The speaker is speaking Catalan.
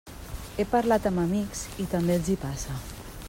He parlat amb amics i també els hi passa.